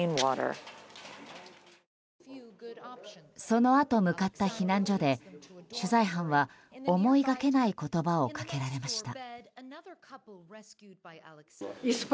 そのあと向かった避難所で取材班は思いがけない言葉をかけられました。